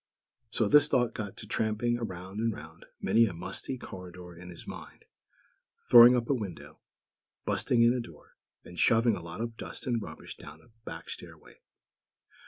So this thought got to tramping round and round many a musty corridor in his mind; throwing up a window, "busting in" a door, and shoving a lot of dust and rubbish down a back stairway.